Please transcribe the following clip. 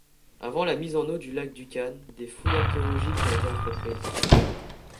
Avant la mise en eau du lac Dukan, des fouilles archéologiques ont été entreprises.